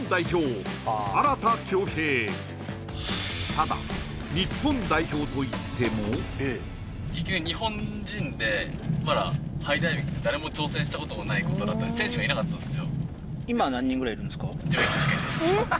ただ結局日本人でまだハイダイビング誰も挑戦したことのないことだったんで選手がいなかったんすよ